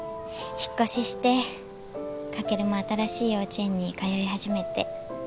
引っ越しして翔も新しい幼稚園に通い始めて。